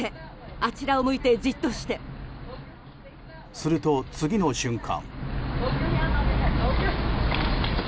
すると、次の瞬間。